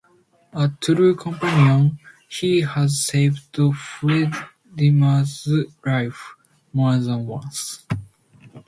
A true companion, he has saved Fidelma's life more than once.